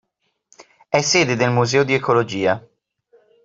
È sede del Museo di Ecologia.